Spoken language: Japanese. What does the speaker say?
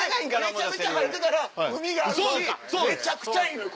めちゃめちゃ晴れてたら海があるしめちゃくちゃいいのよ